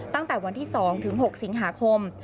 ตั้งแต่วันที่๒ถึง๖สิงหาคม